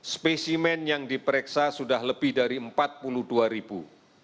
spesimen yang diperiksa sudah lebih dari empat puluh dua ribu